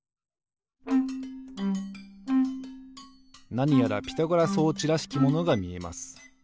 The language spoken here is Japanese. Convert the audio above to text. なにやらピタゴラ装置らしきものがみえます。